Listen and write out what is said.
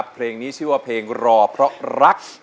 เพลงนี้ชื่อว่าเพลงรอเพราะรัก